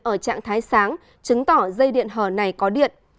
ở trạng thái sáng chứng tỏ dây điện hờ này có điện